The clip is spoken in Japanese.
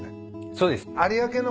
そうです。